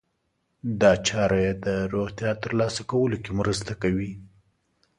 دا چاره يې د روغتیا ترلاسه کولو کې مرسته کوي.